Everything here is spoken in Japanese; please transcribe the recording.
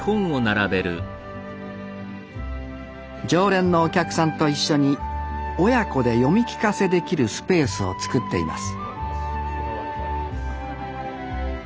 常連のお客さんと一緒に親子で読み聞かせできるスペースを作っています